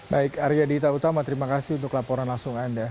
baik arya dita utama terima kasih untuk laporan langsung anda